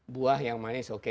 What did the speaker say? buah yang manis okay